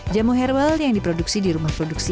jamu herbal yang diproduksi di rumah produksi